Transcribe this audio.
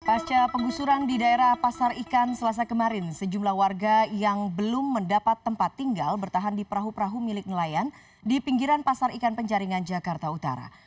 pasca penggusuran di daerah pasar ikan selasa kemarin sejumlah warga yang belum mendapat tempat tinggal bertahan di perahu perahu milik nelayan di pinggiran pasar ikan penjaringan jakarta utara